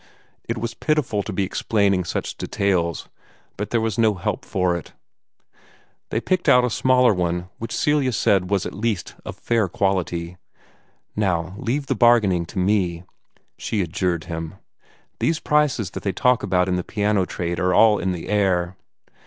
It was pitiful to be explaining such details, but there was no help for it. They picked out a smaller one, which Celia said was at least of fair quality. "Now leave all the bargaining to me," she adjured him. "These prices that they talk about in the piano trade are all in the air.